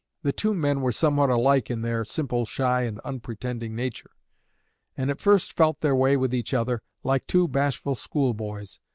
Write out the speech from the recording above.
The two men were somewhat alike in their simple, shy, and unpretending nature, and at first felt their way with each other like two bashful schoolboys.